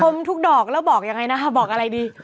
มทุกดอกแล้วบอกยังไงนะคะบอกอะไรดี